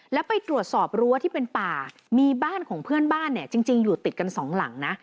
แล้วไปตรวจสอบรั้วที่เป็นป่ามีบ้านของเพื่อนบ้านเนี่ยจริงอยู่ติดกันสองหลังนะ